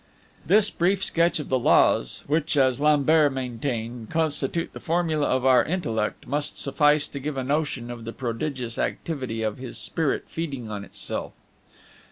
This brief sketch of the laws which, as Lambert maintained, constitute the formula of our intellect, must suffice to give a notion of the prodigious activity of his spirit feeding on itself.